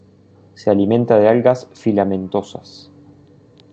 Se alimenta de algas filamentosas.